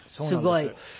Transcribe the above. すごい。